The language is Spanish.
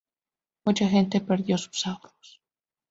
Mucha gente perdió sus ahorros.